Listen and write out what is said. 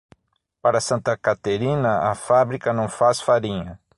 Para Santa Caterina, a fábrica não faz farinha.